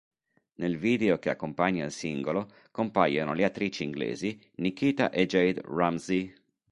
Nel video che accompagna il singolo compaiono le attrici inglesi Nikita e Jade Ramsey.